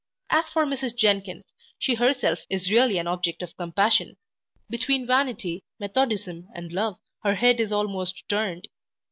As for Mrs Jenkins, she herself is really an object of compassion Between vanity, methodism, and love, her head is almost turned.